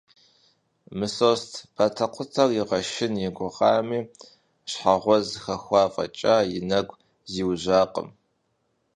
Мысост батэкъутэр игъэшын и гугъами, щхьэгъэуз хэхуа фӀэкӀа, и нэгу зиужьакъым.